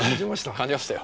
感じましたよ。